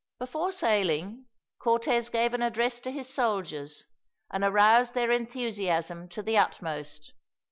Before sailing, Cortez gave an address to his soldiers, and aroused their enthusiasm to the utmost.